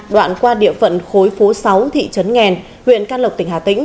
đoạn qua địa phận khối phố sáu thị trấn nghèn huyện can lộc tỉnh hà tĩnh